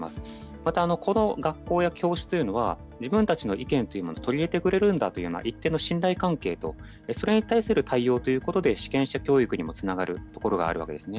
またこの学校や教室というのは、自分たちの意見というものを取り入れてくれるんだという一定の信頼関係と、それに対する対応ということで、主権者教育にもつながるところがあるわけですね。